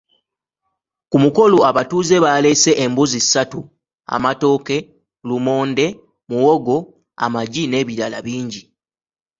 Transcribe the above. Ku mukolo abatuuze baaleese embuzi ssatu, amatooke, lumonde, muwogo, amagi n’ebirala bingi.